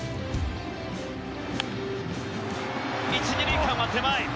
１・２塁間は狭い！